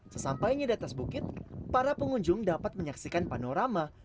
sesampainya di atas bukit para pengunjung dapat menyaksikan panorama